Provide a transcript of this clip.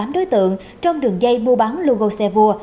tám đối tượng trong đường dây mua bán logo xe vua